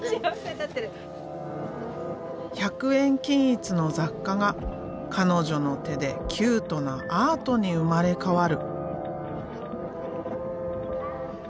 １００円均一の雑貨が彼女の手でキュートなアートに生まれ変わる。